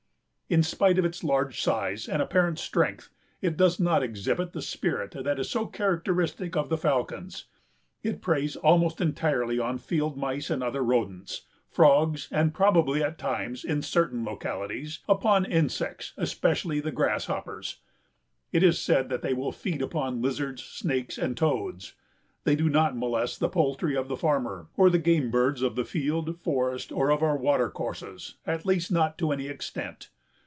In spite of its large size and apparent strength it does not exhibit the spirit that is so characteristic of the falcons. It preys almost entirely on field mice and other rodents, frogs and probably, at times and in certain localities, upon insects especially the grasshoppers. It is said that they will feed upon lizards, snakes and toads. They do not molest the poultry of the farmer or the game birds of the field, forest or of our water courses, at least not to any extent.